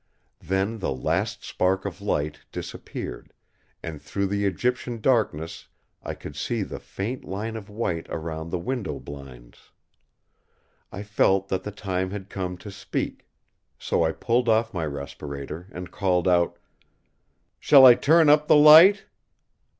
Then the last spark of light disappeared, and through the Egyptian darkness I could see the faint line of white around the window blinds. I felt that the time had come to speak; so I pulled off my respirator and called out: "Shall I turn up the light?"